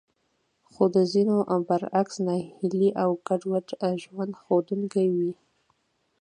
خو د ځينو برعکس ناهيلي او ګډوډ ژوند ښودونکې وې.